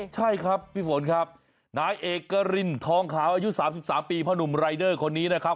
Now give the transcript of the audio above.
ใช่ครับพี่ฝนครับนายเอกรินทองขาวอายุ๓๓ปีพ่อหนุ่มรายเดอร์คนนี้นะครับ